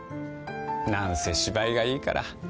なんせ芝居がいいから。